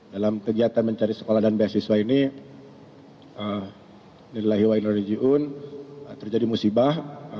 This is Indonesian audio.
dalam kegiatan mencari sekolah dan beasiswa ini terjadi musibah